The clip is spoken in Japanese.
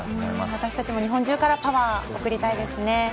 私たちも日本中からパワー、送りたいですね。